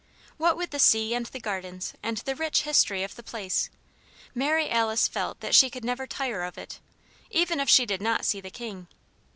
What with the sea and the gardens and the rich history of the place, Mary Alice felt that she could never tire of it, even if she did not see the King.